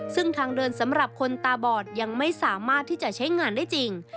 ซึ่งทางเดินสำหรับคนตาบอดยังไม่สามารถที่จะใช้งานได้จริง